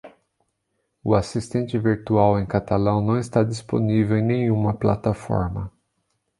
O assistente virtual em catalão não está disponível em nenhuma plataforma.